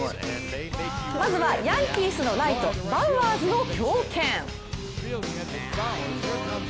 まずはヤンキースのライトバウアーズの強肩。